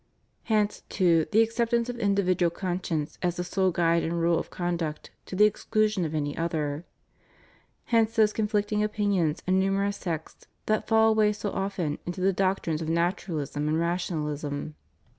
Hence, too, the acceptance of individual conscience as the sole guide and rule of conduct to the exclusion of any other: hence those conflicting opinions and numerous sects that fall away so often into the doc trines of Naturalism and Rationalism.